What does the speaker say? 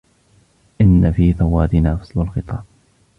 ان في ثورتنا فصل الخطاب